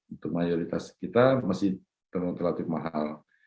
untuk mayoritas kita masih relatif mahal